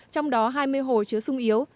trong đó hai mươi hồ chứa sung yếu